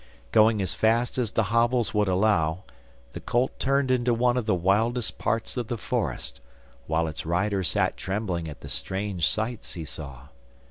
Going as fast as the hobbles would allow, the colt turned into one of the wildest parts of the forest, while its rider sat trembling at the strange sights he saw.